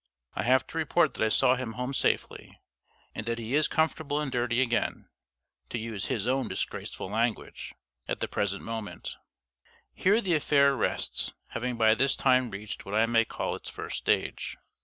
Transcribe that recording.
I have to report that I saw him home safely, and that he is comfortable and dirty again (to use his own disgraceful language) at the present moment. Here the affair rests, having by this time reached what I may call its first stage.